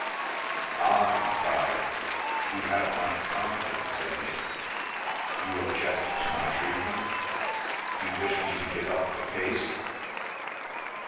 "Ah!" he cried. "You have not confidence in me? You object to my treatment? You wish me to give up the case?"